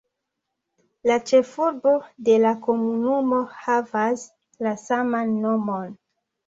La ĉefurbo de la komunumo havas la saman nomon.